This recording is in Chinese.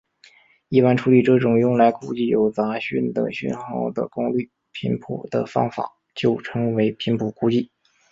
一般处理这种用来估计有杂讯的讯号的功率频谱的方法就称为频谱估计。